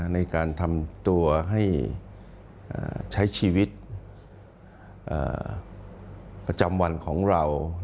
ในการทำตัวให้ใช้ชีวิตประจำวันของเรา